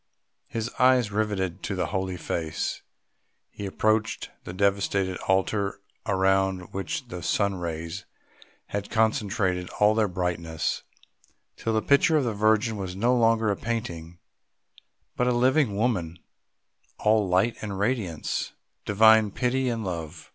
His eyes riveted to the Holy Face, he approached the devastated altar around which the sun rays had concentrated all their brightness, till the picture of the Virgin was no longer a painting, but a living woman, all light and radiance, Divine pity and love.